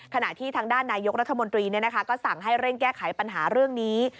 ขณะที่ทางด้านนายกรัฐมนตรีก็สั่งให้เร่งแก้ไขปัญหาเรื่องนี้